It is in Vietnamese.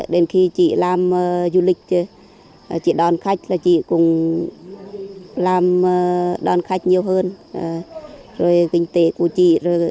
đến với a lưới